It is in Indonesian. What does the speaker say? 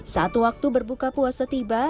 saat waktu berbuka puasa tiba